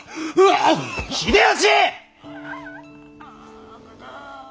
秀吉！